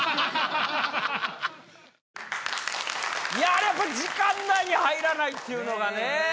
あれやっぱ時間内に入らないっていうのがね。